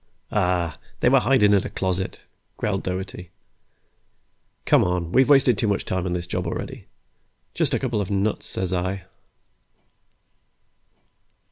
"Aw, they were hidin' in a closet," growled Doherty. "Come on, we've wasted too much time on this job already. Just a couple of nuts, says I."